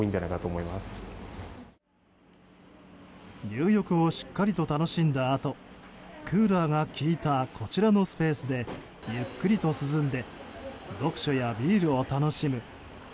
入浴をしっかりと楽しんだあとクーラーが効いたこちらのスペースでゆっくりと涼んで読書やビールを楽しむ。